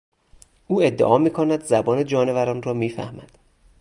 او ادعا میکند که زبان جانوران را میفهمد.